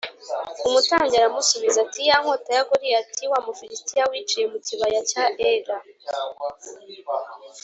Umutambyi aramusubiza ati “Ya nkota ya Goliyati wa Mufilisitiya wiciye mu kibaya cya Ela